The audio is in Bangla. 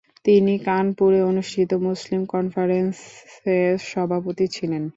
তিনি কানপুরে অনুষ্ঠিত মুসলিম কনফারেন্সে সভাপতি ছিলেন।